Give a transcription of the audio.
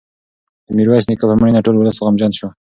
د میرویس نیکه په مړینه ټول ولس غمجن شو.